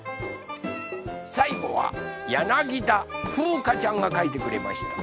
さいごはやなぎだふうかちゃんがかいてくれました。